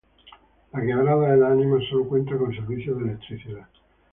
La quebrada de las Ánimas solo cuenta con servicio de electricidad.